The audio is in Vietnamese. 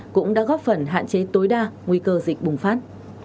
cũng đã góp phần hạn chế tối đa nguy cơ dịch bùng phát